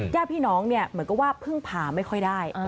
ญาติพี่น้องเนี่ยเหมือนกับว่าพึ่งพาไม่ค่อยได้